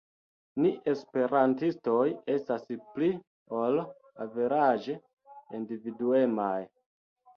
Ni esperantistoj estas pli ol averaĝe individuemaj.